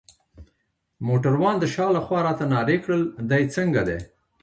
موټروان د شا لخوا راته نارې کړل: دی څنګه دی؟